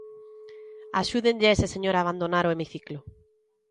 Axúdenlle a ese señor a abandonar o hemiciclo.